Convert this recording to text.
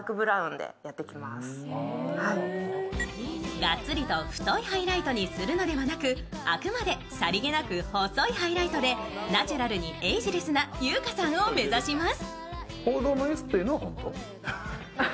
ガッツリと太いハイライトにするのではなくあくまでさりげなく細いハイライトでナチュラルにエイジレスな優香さんを目指します。